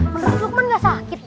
menurut luqman nggak sakit